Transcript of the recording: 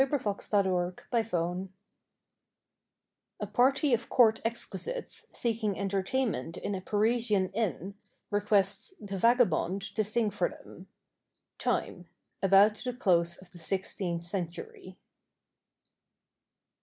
9 ] THE VAGABOND'S SONG (A party of court exquisites, seeking entertainment in a Parisian inn, request "the vagabond" to sing for them. Time —about the close of the sixteenth century.)